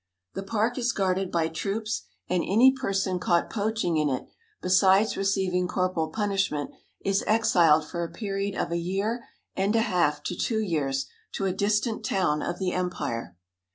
The park is guarded by troops, and any person caught poaching in it, besides receiving corporal punishment, is exiled for a period of a year and a half to two years to a distant town of the empire.